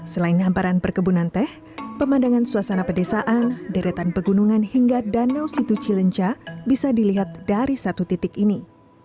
selain hamparan perkebunan teh pemandangan suasana pedesaan deretan pegunungan hingga danau situ cilenca bisa dilihat dari satu titik ini